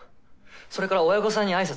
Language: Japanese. それから親御さんに挨拶。